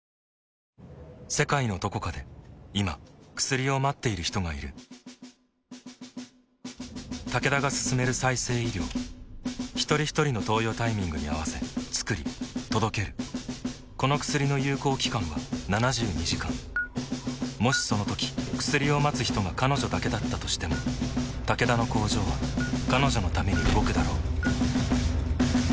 世界のどこかで今薬を待っている人がいるタケダが進める再生医療ひとりひとりの投与タイミングに合わせつくり届けるこの薬の有効期間は７２時間もしそのとき薬を待つ人が彼女だけだったとしてもタケダの工場は彼女のために動くだろう